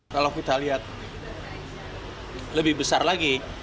kalau kita lihat lebih besar lagi